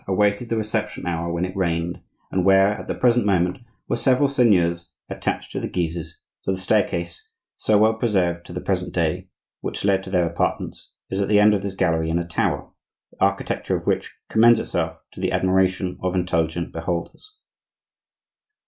awaited the reception hour when it rained, and where, at the present moment, were several seigneurs attached to the Guises; for the staircase (so well preserved to the present day) which led to their apartments is at the end of this gallery in a tower, the architecture of which commends itself to the admiration of intelligent beholders.